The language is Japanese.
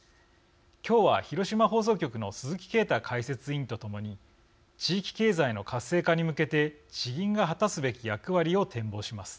今日は広島放送局の鈴木啓太解説委員と共に地域経済の活性化に向けて地銀が果たすべき役割を展望します。